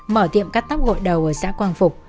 mở tiệm cắt tóc gội đầu ở xã quang phục